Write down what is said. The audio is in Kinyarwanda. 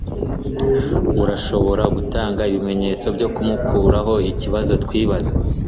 Urashobora gutanga ibimenyetso byo kumukurahoikibazo twibaza